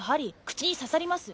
口に刺さります